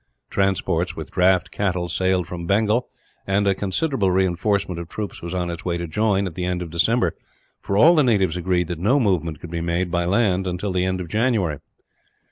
Transports with draft cattle sailed from Bengal, and a considerable reinforcement of troops was on its way to join, at the end of December for all the natives agreed that no movement could be made, by land, until the end of January.